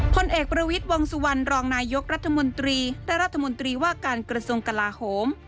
พลเอกประวิทย์วงสุวรรณรองนายกรัฐมนตรีและรัฐมนตรีว่าการกระทรวงกลาโหม